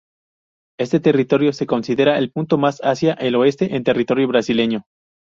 Este territorio se considera el punto más hacia el oeste en territorio brasileño.